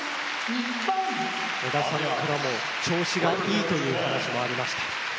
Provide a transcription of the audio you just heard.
織田さんからも調子がいいというお話もありました。